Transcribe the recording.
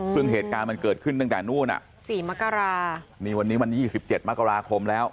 ซึ่งเหตุการณ์มันเกิดขึ้นตั้งแต่นู้นอ่ะสี่มกรานี่วันนี้วัน๒๗มกราคมแล้ว